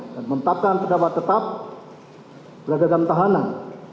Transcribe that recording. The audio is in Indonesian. dan menetapkan kejahatan tetap beragam agam tahanan